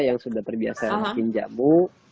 yang sudah terbiasa bikin jamu